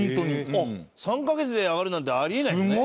３カ月で上がるなんてあり得ないんですね。